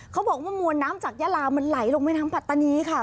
เขาบอกว่ามวลน้ำจากยาลามันไหลลงแม่น้ำปัตตานีค่ะ